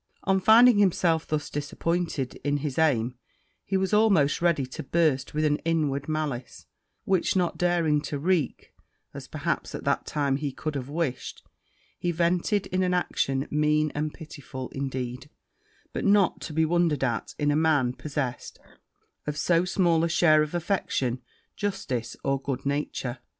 On finding himself thus disappointed in his aim, he was almost ready to burst with an inward malice; which not daring to wreak, as perhaps at that time he could have wished, he vented it in an action mean and spiteful indeed, but not to be wondered at in a man possessed of so small a share of affection, justice, or good nature.